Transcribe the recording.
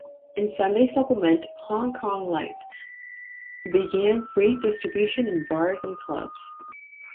Its Sunday supplement, Hong Kong Life, began free distribution in bars and clubs.